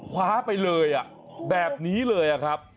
คว้าไปเลยแบบนี้เลยครับ